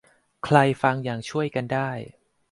ใครฟังอย่างช่วยกันได้